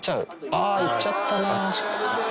あっ、行っちゃったな。